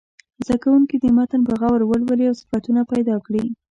زده کوونکي دې متن په غور ولولي او صفتونه پیدا کړي.